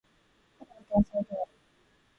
彼は天才である